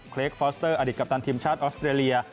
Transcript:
เครกฟอสเตอร์อดิตกัปตันทีมชาติออสเตรเลีย